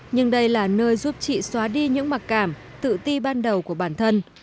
nhưng đây là nơi giúp chị xóa đi những mặc cảm tự ti ban đầu của bản thân